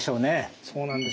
そうなんです。